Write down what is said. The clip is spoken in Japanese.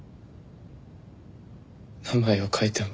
名前を変えても。